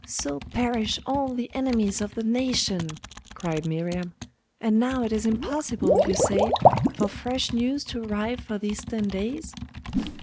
'So perish all the enemies of the nation!' cried Miriam. 'And now it is impossible, you say, for fresh news to arrive for these ten days?